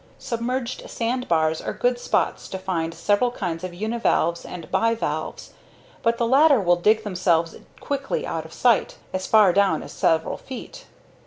Submerged sandbars are good spots to find several kinds of univalves and bivalves, but the latter will dig themselves quickly out of sight as far down as several feet.